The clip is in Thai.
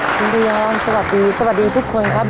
ลุงพยอมสวัสดีทุกคนครับ